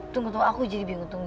tunggu tunggu aku jadi bingung tunggu